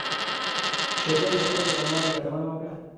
شېرګل د خوب د کموالي يادونه وکړه.